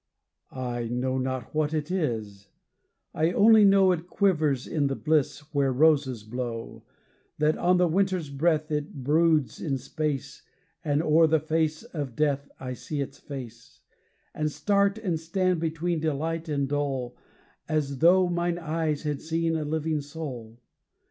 I know not what it is; I only know It quivers in the bliss Where roses blow, That on the winter's breath It broods in space, And o'er the face of death I see its face, And start and stand between Delight and dole, As though mine eyes had seen A living Soul.